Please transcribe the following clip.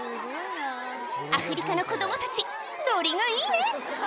アフリカの子どもたち、ノリがいいね。